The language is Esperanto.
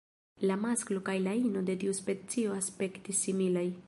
La masklo kaj la ino de tiu specio aspektis similaj.